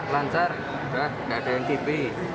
lansar sudah tidak ada ntp